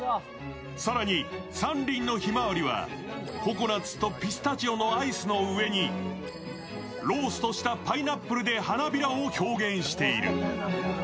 更に３輪のひまわりはココナッツとピスタチオのアイスの上にローストしたパイナップルで花びらを表現している。